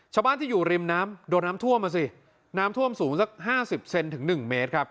ชาวบ้านที่อยู่ริมน้ำโดนน้ำท่วมมาสิน้ำท่วมสูงสัก๕๐เซนถึง๑เมตรครับ